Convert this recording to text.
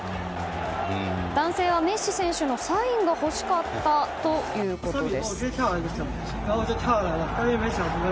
男性はメッシ選手のサインが欲しかったということです。